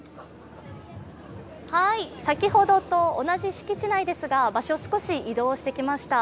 先ほどと同じ敷地内ですが場所、少し移動してきました。